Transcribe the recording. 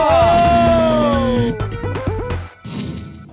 คุณมอร์